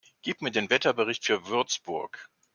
Gib mir den Wetterbericht für Würzburg